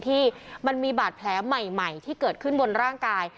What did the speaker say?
ที่มันมีบาดแผลใหม่ที่เกิดขึ้นบนร่างกาย